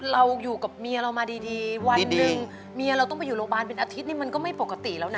เราอยู่กับเมียเรามาดีวันหนึ่งเมียเราต้องไปอยู่โรงพยาบาลเป็นอาทิตย์นี่มันก็ไม่ปกติแล้วนะ